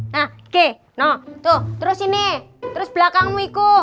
nah oke no tuh terus ini terus belakangmu iku